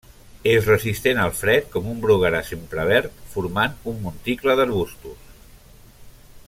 És resistent al fred com un bruguerar sempre verd formant un monticle d'arbustos.